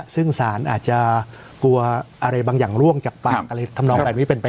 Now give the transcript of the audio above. ซึ่งสารอาจจะกลัวอะไรบางอย่างร่วงจากฝั่ง